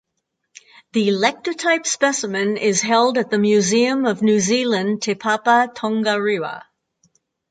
The lectotype specimen is held at the Museum of New Zealand Te Papa Tongarewa.